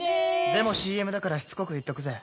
でもＣＭだからしつこく言っとくぜ！